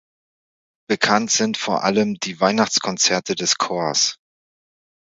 Bekannt sind vor allem die Weihnachtskonzerte des Chors.